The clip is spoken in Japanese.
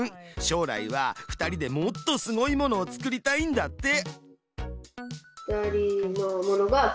将来は２人でもっとすごいものを作りたいんだって。